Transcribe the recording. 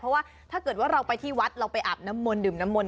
เพราะว่าถ้าเกิดว่าเราไปที่วัดเราไปอาบน้ำมนตดื่มน้ำมนต